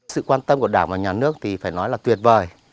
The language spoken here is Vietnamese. sự quan tâm của đảng và nhà nước thì phải nói là tuyệt vời